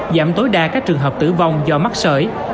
giảm tối đa các trường hợp tử vong do mắc sởi